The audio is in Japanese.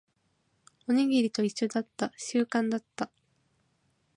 おにぎりと一緒だった。習慣だった。